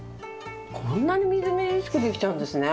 こんなにみずみずしくできちゃうんですね。